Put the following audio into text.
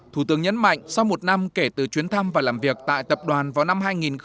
thủ tướng nhấn mạnh sau một năm kể từ chuyến thăm và làm việc tại tập đoàn vào năm hai nghìn một mươi tám